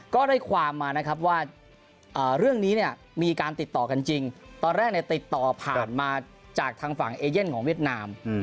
ก็ได้ความมานะครับว่าเรื่องนี้เนี่ยมีการติดต่อกันจริงตอนแรกติดต่อผ่านมาจากทางฝั่งเอเย่นของเวียดนาม